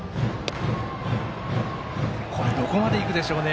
どこまでいくでしょうね。